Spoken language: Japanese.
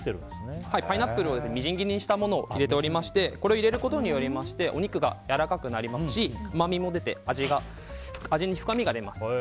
パイナップルをみじん切りにしたものを入れてましてこれを入れることによりましてお肉がやわらかくなりますしうまみも出て、味に深みが出ます。